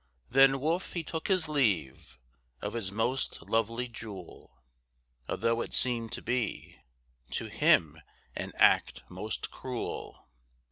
Then Wolfe he took his leave, Of his most lovely jewel; Although it seemed to be To him, an act most cruel.